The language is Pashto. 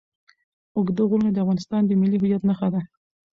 اوږده غرونه د افغانستان د ملي هویت نښه ده.